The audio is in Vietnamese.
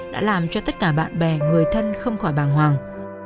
đã làm cho tất cả bạn bè người thân không khỏi bàng hoàng